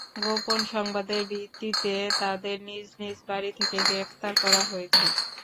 গোপন সংবাদের ভিত্তিতে তাঁদের নিজ নিজ বাড়ি থেকে গ্রেপ্তার করা হয়েছে।